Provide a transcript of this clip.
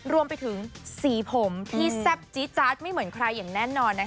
รวมไปถึงสีผมที่แซ่บจี๊จาดไม่เหมือนใครอย่างแน่นอนนะคะ